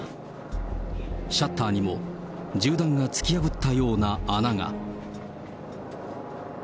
シャッターにも銃弾が突き破ったと見られるような穴が。